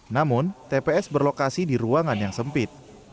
namun tps berlokasi di ruangan yang sempit